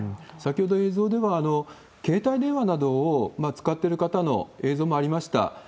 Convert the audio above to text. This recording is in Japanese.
先ほど映像では、携帯電話などを使っている方の映像もありました。